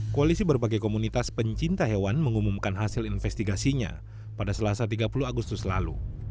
koalisi berbagai komunitas pencinta hewan mengumumkan hasil investigasinya pada selasa tiga puluh agustus lalu